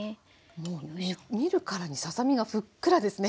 もう見るからにささ身がふっくらですね。